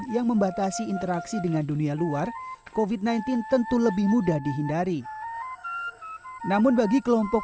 yang membatasi interaksi dengan dunia luar kofit sembilan belas tentu lebih mudah dihindari namun bagi kelompok